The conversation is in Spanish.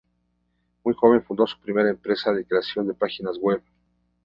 Muy joven fundó su primera empresa de creación de páginas web.